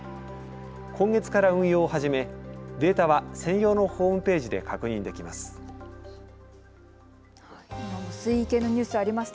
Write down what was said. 今月から運用を始めデータは専用のホームページで確認できます。